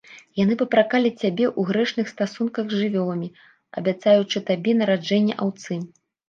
Яны папракалі цябе ў грэшных стасунках з жывёламі, абяцаючы табе нараджэнне аўцы.